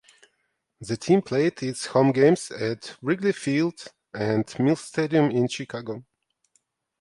The team played its home games at Wrigley Field and Mills Stadium in Chicago.